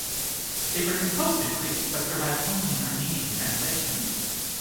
They were composed in Greek but survive only in Armenian translation.